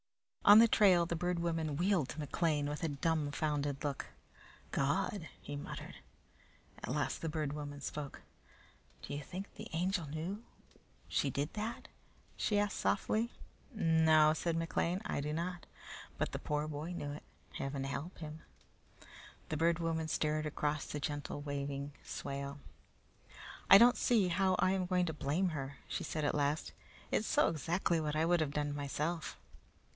On the trail the Bird Woman wheeled to McLean with a dumbfounded look. "God!" muttered he. At last the Bird Woman spoke. "Do you think the Angel knew she did that?" she asked softly. "No," said McLean; "I do not. But the poor boy knew it. Heaven help him!" The Bird Woman stared across the gently waving swale. "I don't see how I am going to blame her," she said at last. "It's so exactly what I would have done myself."